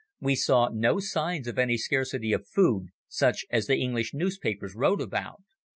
We saw no signs of any scarcity of food, such as the English newspapers wrote about.